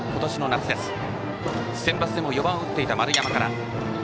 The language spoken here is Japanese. バッター、センバツでも４番を打っていた丸山から。